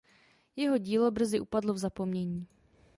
Jeho dílo brzy upadlo v zapomnění.